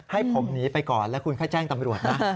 ให้ผมหนีไปก่อนแล้วคุณแค่แจ้งตำรวจนะ